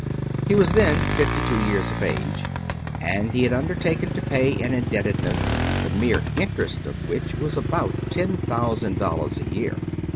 He was then fifty two years of age, and he had undertaken to pay an indebtedness, the mere interest of which was about ten thousand dollars a year.